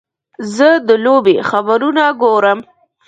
زه د لوبې خبرونه ګورم.